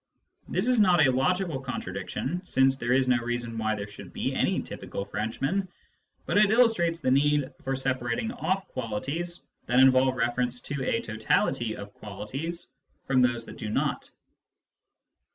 This is not a logical contra diction, since there is no reason why there should be any typical Frenchmen; but it illustrates the need for separating off qualities that involve reference to a totality of qualities from those that do not.